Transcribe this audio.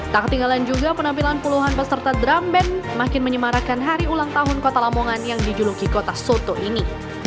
tak ketinggalan juga penampilan puluhan peserta drum band makin menyemarakan hari ulang tahun kota lamongan yang dijuluki kota soto ini